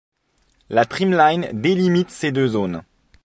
La trimline délimite ces deux zones.